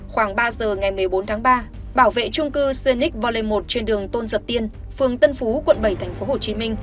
khoảng ba giờ ngày một mươi bốn tháng ba bảo vệ trung cư xuyên ních vol một trên đường tôn giật tiên phường tân phú quận bảy tp hcm